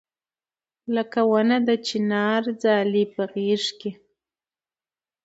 لکه ونه د چنار ځالې په غېږ کې